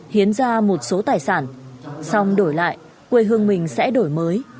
hiến ra một số tài sản xong đổi lại quê hương mình sẽ đổi mới